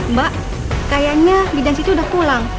mbak kayaknya bidan situ udah pulang